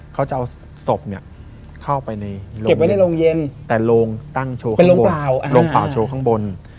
เขาจะเอาศพเข้าไปในโรงเย็นแต่โรงตั้งโชว์ข้างบน